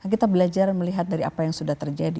kita belajar melihat dari apa yang sudah terjadi